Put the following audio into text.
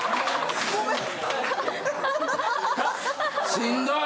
しんどい。